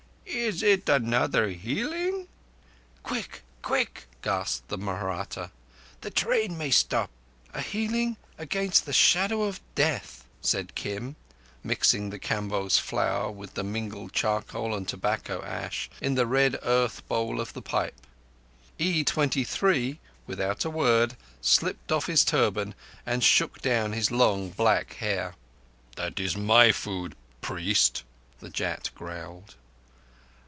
Is it another healing?" "Quick! Be quick!" gasped the Mahratta. "The train may stop." "A healing against the shadow of death," said Kim, mixing the Kamboh's flour with the mingled charcoal and tobacco ash in the red earth bowl of the pipe. E, without a word, slipped off his turban and shook down his long black hair. "That is my food—priest," the jat growled.